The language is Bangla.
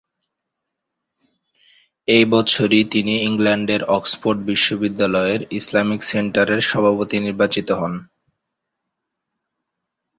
এই বছরই তিনি ইংল্যান্ডের অক্সফোর্ড বিশ্ববিদ্যালয়ের ইসলামিক সেন্টারের সভাপতি নির্বাচিত হন।